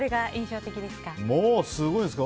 もうすごいですよ。